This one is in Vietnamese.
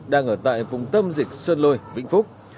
đang ở tại vùng tâm dịch sơn lôi vĩnh phúc